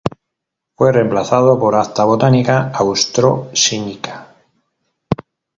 Fue reemplazada por "Acta botanica austro sinica".